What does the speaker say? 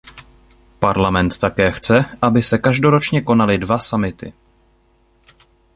Parlament také chce, aby se každoročně konaly dva summity.